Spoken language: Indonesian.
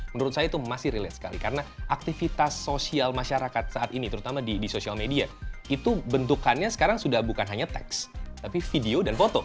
menurut saya itu masih relate sekali karena aktivitas sosial masyarakat saat ini terutama di social media itu bentukannya sekarang sudah bukan hanya teks tapi video dan foto